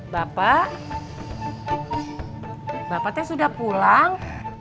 bapak bapak teh sudah pulang